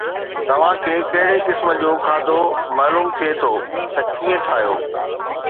توهان کي ڪهڙي قسم جو کاڌو معلوم ٿئي ٿو ته ڪيئن ٺاهيو؟